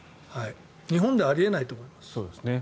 日本ではあり得ないと思います。